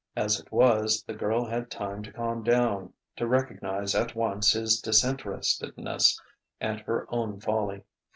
As it was, the girl had time to calm down, to recognize at once his disinterestedness and her own folly.